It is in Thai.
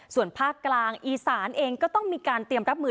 ส่วนภาคกลางอีสานเองก็ต้องมีการเตรียมรับมือ